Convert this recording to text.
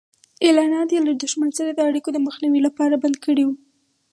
اعلانات یې له دښمن سره د اړیکو د مخنیوي لپاره بند کړي وو.